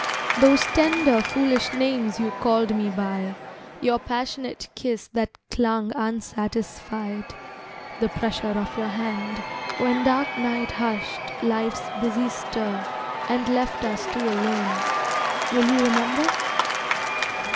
Those tender, foolish names you called me by, Your passionate kiss that clung unsatisfied, The pressure of your hand, when dark night hushed Life's busy stir, and left us two alone, Will you remember?